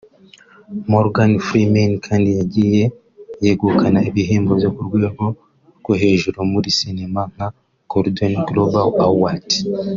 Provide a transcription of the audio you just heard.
Morgan Freeman kandi yagiye yegukana ibihembo byo ku rwego rwo hejuru muri cinema nka Golden Globe Award